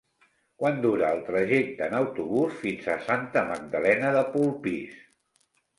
Quant dura el trajecte en autobús fins a Santa Magdalena de Polpís?